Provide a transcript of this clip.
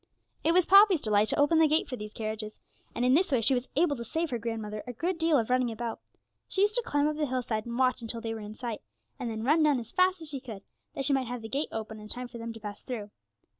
It was Poppy's delight to open the gate for these carriages, and in this way she was able to save her grandmother a good deal of running about. She used to climb up the hillside, and watch until they were in sight, and then run down as fast as she could, that she might have the gate open in time for them to pass through.